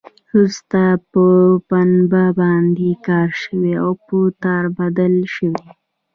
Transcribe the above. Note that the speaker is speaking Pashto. وروسته په پنبه باندې کار شوی او په تار بدل شوی.